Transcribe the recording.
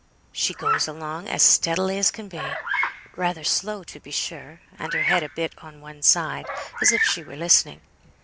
she goes along as steadily as can be; rather slow, to be sure, and her head a bit on one side as if she were listening.